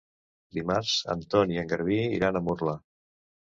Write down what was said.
Dimarts en Ton i en Garbí iran a Murla.